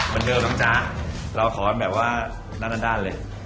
บรรเวิร์นบังจ๊ะเราขอแบบว่าด้านเลย